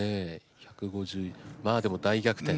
１５０まあでも大逆転。